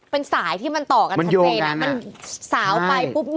เป็นสายที่มันต่อกันสักทีนะมันสาวไปปุ๊บมันโยงกันอ่ะ